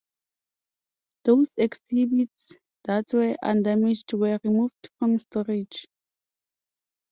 Those exhibits that were undamaged were removed from storage.